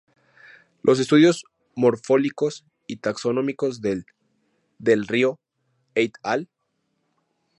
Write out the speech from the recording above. Los estudios morfológicos y taxonómicos de Del-Rio "et al".